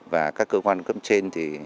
và các cơ quan cấp trên